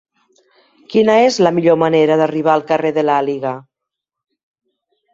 Quina és la millor manera d'arribar al carrer de l'Àliga?